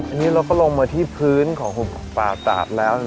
อันนี้เราก็ลงมาที่พื้นของป่าตาดแล้ว